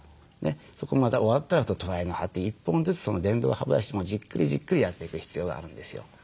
そこまた終わったら隣の歯って１本ずつ電動歯ブラシもじっくりじっくりやっていく必要があるんですよ。